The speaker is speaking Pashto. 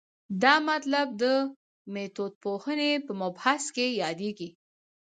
دا مطلب د میتودپوهنې په مبحث کې یادېږي.